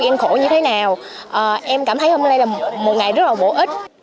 em khổ như thế nào em cảm thấy hôm nay là một ngày rất là bổ ích